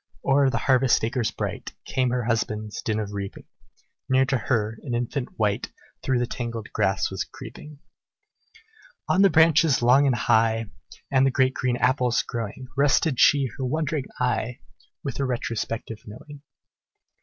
O'er the harvest acres bright, Came her husband's din of reaping; Near to her, an infant wight Through the tangled grass was creeping. On the branches long and high, And the great green apples growing, Rested she her wandering eye, With a retrospective knowing.